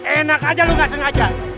enak aja lo gak sengaja